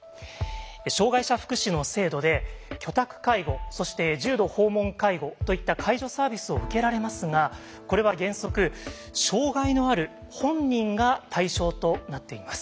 障害者福祉の制度で「居宅介護」そして「重度訪問介護」といった介助サービスを受けられますがこれは原則障害のある本人が対象となっています。